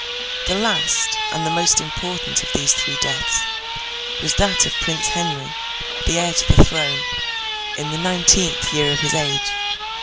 The last, and the most important of these three deaths, was that of Prince Henry, the heir to the throne, in the nineteenth year of his age.